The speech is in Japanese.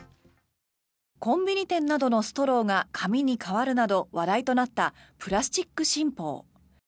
コンビニ店などのストローが紙に変わるなど話題となったプラスチック新法。